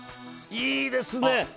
いいですね。